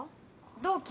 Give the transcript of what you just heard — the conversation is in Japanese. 同期。